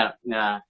dramaturgi aja begitu